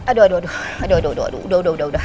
aduh aduh aduh